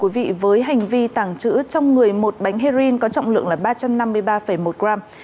với hành vi tàng trữ trong người một bánh heroin có trọng lượng là ba trăm năm mươi ba một gram